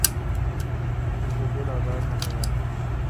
تو سہ جولا باڑ مزہ یال۔